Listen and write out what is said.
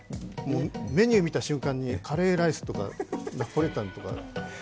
メニューみた瞬間にカレーライスとか、ナポリタンとか。